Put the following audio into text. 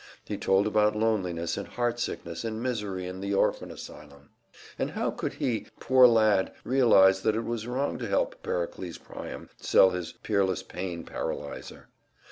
He told about loneliness and heartsickness and misery in the orphan asylum. And how could he, poor lad, realize that it was wrong to help Pericles Priam sell his Peerless Pain Paralyzer?